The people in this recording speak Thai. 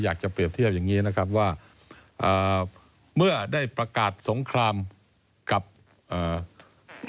อยากจะเปรียบเทียบอย่างงี้นะครับว่าอ่าเมื่อได้ประกาศสงครามกับเอ่อ